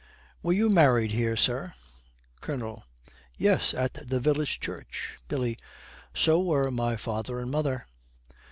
'Were you married here, sir?' COLONEL. 'Yes, at the village church.' BILLY. 'So were my father and mother.'